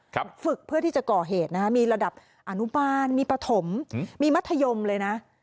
ฝึกเพื่อที่จะก่อเหตุนะฮะมีระดับอนุบาลมีปฐมมีมัธยมเลยนะ